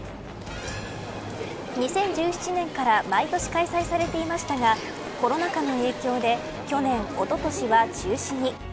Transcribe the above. ２０１７年から毎年開催されていましたがコロナ禍の影響で去年、おととしは中止に。